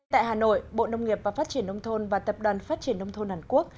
tại hà nội bộ nông nghiệp và phát triển nông thôn và tập đoàn phát triển nông thôn hàn quốc